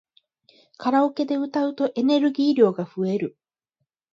カラオケで歌うとエネルギー量が増える